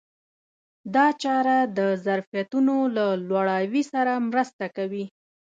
دا چاره د ظرفیتونو له لوړاوي سره مرسته کوي.